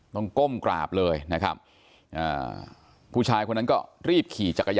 ต้องก้มกราบเลยนะครับผู้ชายคนนั้นก็รีบขี่จักรยานยนต์